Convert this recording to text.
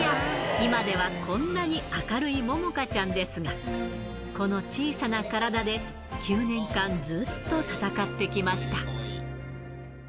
今ではこんなに明るいももかちゃんですが、この小さな体で、９年間ずっと闘ってきました。